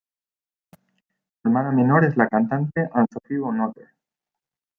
Su hermana menor es la cantante Anne Sofie von Otter.